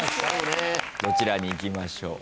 どちらにいきましょう。